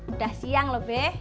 udah siang loh be